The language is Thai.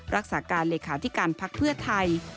รักษาการเลขาธิการพักเพื่อไทย